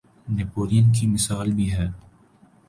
نپولین کی مثال بھی ہے۔